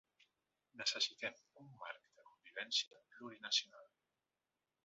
Necessitem un marc de convivència plurinacional.